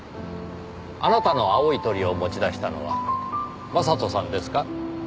あなたの青い鳥を持ち出したのは将人さんですか？